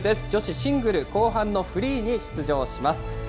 女子シングル後半のフリーに出場します。